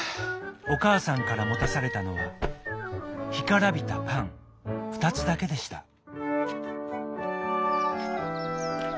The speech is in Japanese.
おかあさんからもたされたのはひからびたパンふたつだけでした。